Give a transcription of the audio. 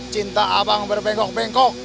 cinta abang berbengkok bengkok